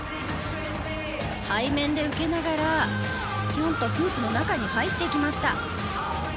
背面で受けながら、ぴょんとフープの中に入っていきました。